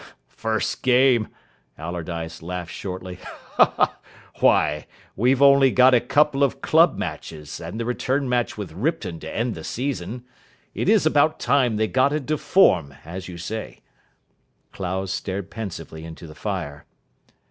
"First game!" Allardyce laughed shortly. "Why, we've only got a couple of club matches and the return match with Ripton to end the season. It is about time they got into form, as you say." Clowes stared pensively into the fire.